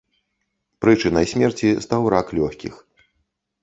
Прычынай смерці стаў рак лёгкіх.